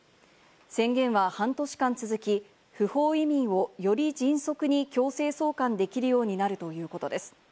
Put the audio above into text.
宣言は半年間続き、不法移民をより迅速に強制送還できるようになるということです。